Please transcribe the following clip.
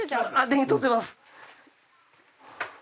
電気通ってます！